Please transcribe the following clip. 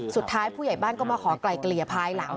ผู้ใหญ่บ้านก็มาขอไกลเกลี่ยภายหลัง